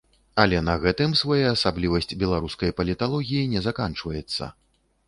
Але на гэтым своеасаблівасць беларускай паліталогіі не заканчваецца.